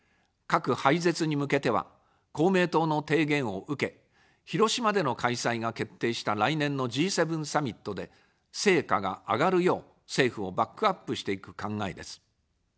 核廃絶に向けては、公明党の提言を受け、広島での開催が決定した来年のＧ７サミットで成果が上がるよう政府をバックアップしていく考えです。